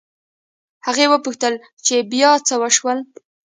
هغې وپوښتل چې بيا څه وشول